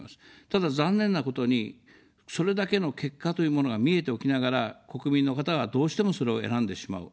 ただ残念なことに、それだけの結果というものが見えておきながら、国民の方は、どうしてもそれを選んでしまう。